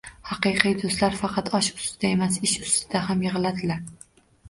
Haqiqiy do‘stlar faqat osh ustida emas, ish ustida ham yig‘iladilar.